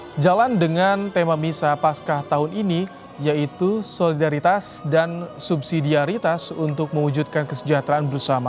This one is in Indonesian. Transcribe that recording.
sejalan dengan tema misa pasca tahun ini yaitu solidaritas dan subsidiaritas untuk mewujudkan kesejahteraan bersama